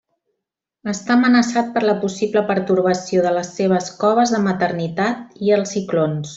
Està amenaçat per la possible pertorbació de les seves coves de maternitat i els ciclons.